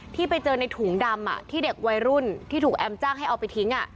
ที่ไปเจอในถุงดำที่เด็กวัยรุ่นที่ถูกแอมจ้างให้เอาไปทิ้ง